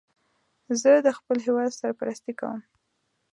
زه د خپل هېواد سرپرستی کوم